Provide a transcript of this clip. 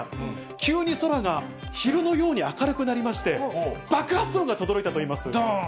急に空が昼のように明るくなりまして、爆発音がとどろいたといいどーん！